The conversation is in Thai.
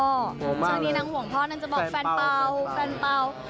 ช่วงนี้นางห่วงพ่อนางจะบอกแฟนเป่าแฟนเป่า